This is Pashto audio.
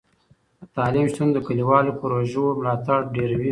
د تعلیم شتون د کلیوالو پروژو ملاتړ ډیروي.